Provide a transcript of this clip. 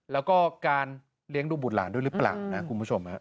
แล้วก็การเลี้ยงดูบุตรหลานด้วยหรือเปล่านะคุณผู้ชม